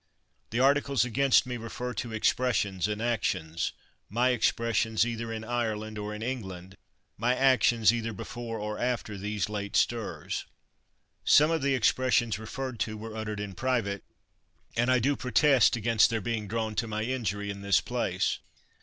The articles against me refer to expressions and actions, — my expressions either in Ireland or in England, my actions either before or after these late stirs. T2 STRAFFORD Some of the expressions referred to were ut tered in private, and I do protest against their being drawn to my injury in this place.